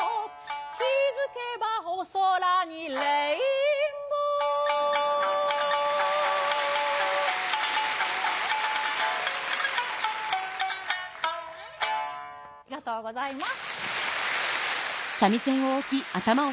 気付けばお空にレインボーありがとうございます。